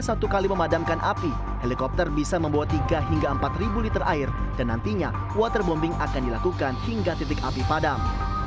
satu kali memadamkan api helikopter bisa membawa tiga hingga empat ribu liter air dan nantinya waterbombing akan dilakukan hingga titik api padam